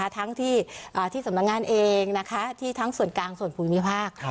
ทั้งที่สำนักงานเองที่ทั้งส่วนกลางส่วนภูมิภาค